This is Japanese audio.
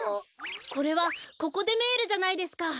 これはココ・デ・メールじゃないですか。